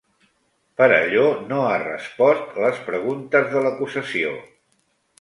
Perelló no ha respost les preguntes de l'acusació.